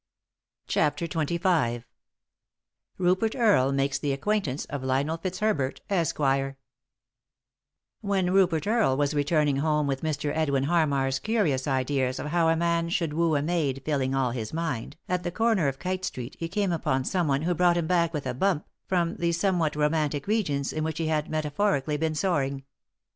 3i 9 iii^d by Google CHAPTER XXV RUPERT EARLE MAKES THE ACQUAINTANCE OP LIONEL FITZHERBERT, ESQUIRE When Rupert Earle was returning home, with Mr. Edwin Harmar*s curious ideas of how a man should woo a maid filling all his mind, at the comer of Kite Street he came upon someone who brought him back with a bump from the somewhat romantic regions in which he had metaphorically been soaring.